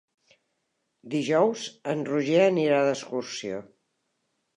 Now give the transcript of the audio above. Dijous en Roger anirà d'excursió.